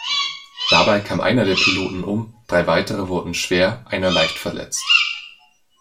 Dabei kam einer der Piloten um, drei weitere wurden schwer, einer leicht verletzt.